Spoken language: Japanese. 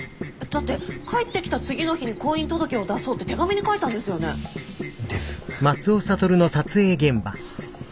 だって帰ってきた次の日に婚姻届を出そうって手紙に書いたんですよね？です。はあ。